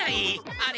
あれ？